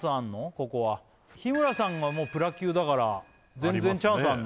ここは日村さんがプラス９だから全然チャンスあるね